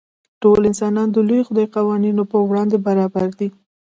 ټول انسانان د لوی خدای قوانینو په وړاندې برابر دي.